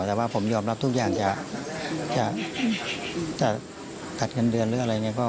แต่ว่าผมยอมรับทุกอย่างจะขัดเงินเดือนหรืออะไรอย่างนี้